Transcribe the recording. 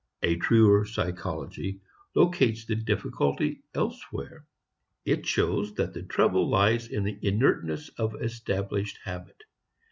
A truer psychology locates the difficulty elsewhere. It shows that the trouble lies in the inertness of established habit.